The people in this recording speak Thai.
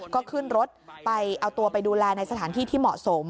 ก็ขึ้นรถไปเอาตัวไปดูแลในสถานที่ที่เหมาะสม